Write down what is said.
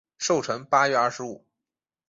寿辰八月二十五。